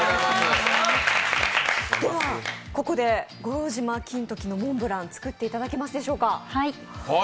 ここで五郎島金時のモンブラン作っていただけますでしょうか。